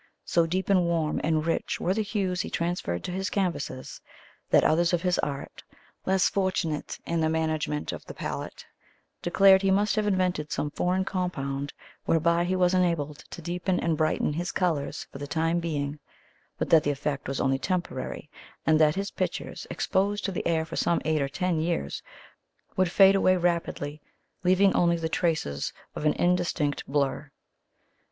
So deep and warm and rich were the hues he transferred to his canvases, that others of his art, less fortunate in the management of the palette, declared he must have invented some foreign compound whereby he was enabled to deepen and brighten his colours for the time being; but that the effect was only temporary, and that his pictures, exposed to the air for some eight or ten years, would fade away rapidly, leaving only the traces of an indistinct blur.